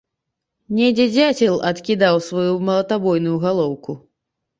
Недзе дзяцел адкідаў сваю малатабойную галоўку.